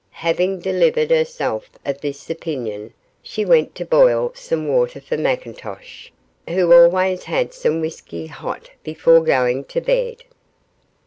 Having delivered herself of this opinion, she went to boil some water for Mr McIntosh, who always had some whisky hot before going to bed.